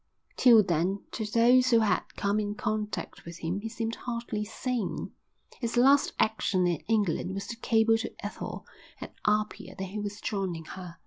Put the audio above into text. Till then to those who had come in contact with him he seemed hardly sane. His last action in England was to cable to Ethel at Apia that he was joining her.